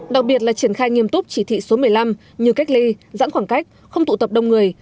đặc biệt là triển khai nghiêm túc chỉ thị số một mươi năm như cách ly giãn khoảng cách không tụ tập đông người